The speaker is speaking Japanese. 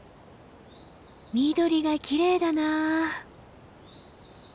緑がきれいだなあ。